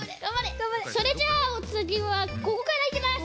それじゃあおつぎはここからいきます。